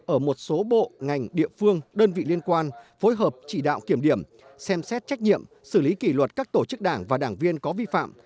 ở một số bộ ngành địa phương đơn vị liên quan phối hợp chỉ đạo kiểm điểm xem xét trách nhiệm xử lý kỷ luật các tổ chức đảng và đảng viên có vi phạm